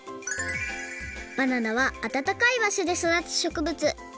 バナナはあたたかいばしょでそだつしょくぶつ。